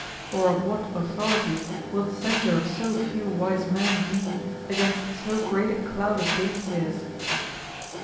Or of what authority will the censure of so few wise men be against so great a cloud of gainsayers?